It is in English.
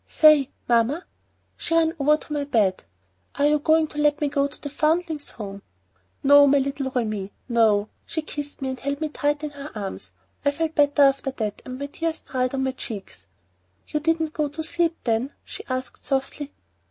"Say! Mamma!" She ran over to my bed. "Are you going to let me go to the Foundlings' Home?" "No, my little Remi, no." She kissed me and held me tight in her arms. I felt better after that and my tears dried on my cheeks. "You didn't go to sleep, then?" she asked softly.